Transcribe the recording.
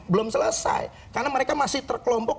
belum selesai karena mereka masih terkelompok